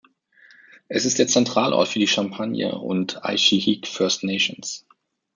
Es ist der Zentralort für die Champagne and Aishihik First Nations.